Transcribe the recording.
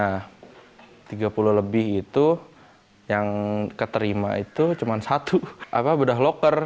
nah tiga puluh lebih itu yang keterima itu cuma satu bedah loker